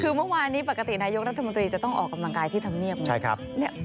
คือเมื่อวานนี้ปกตินายกรัฐมนตรีจะต้องออกกำลังกายที่ธรรมเนียบไง